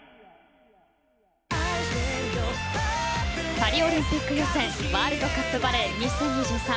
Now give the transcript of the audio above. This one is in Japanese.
パリオリンピック予選ワールドカップバレー２０２３。